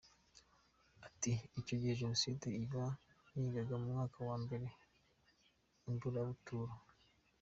Ati “Icyo gihe Jenoside iba nigaga mu mwaka wa Mbere i Mburabuturo.